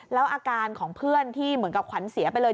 แล้วอาการของเพื่อนที่เหมือนกับขวัญเสียไปเลย